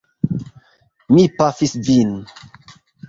Mi pafis vin!